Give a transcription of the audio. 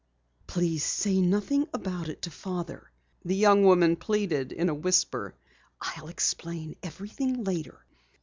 "Please say nothing about it to Father," the young woman pleaded in a whisper. "I'll explain everything later."